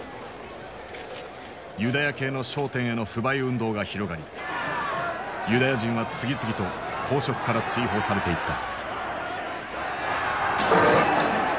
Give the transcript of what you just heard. ユダヤ系の商店への不買運動が広がりユダヤ人は次々と公職から追放されていった。